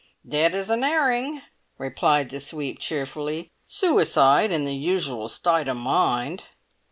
"Dead as an 'erring," replied the sweep cheerfully. "Sooicide in the usual stite o' mind."